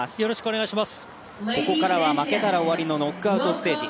ここからは負けたら終わりのノックアウトステージ。